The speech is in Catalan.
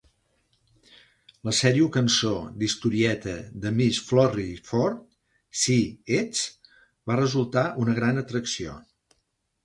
El Serio-cançó d'historieta de Miss Florrie Ford, 'sí, ets', 'va resultar una gran atracció.